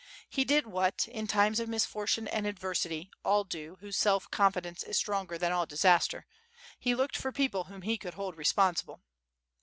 He did what, in times of misfortune and adversity, all do whose self confidence is stronger than all disaster; he looked for people whom he could hold responsible.